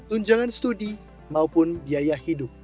tunjangan studi maupun biaya hidup